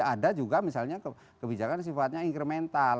ada juga misalnya kebijakan sifatnya incremental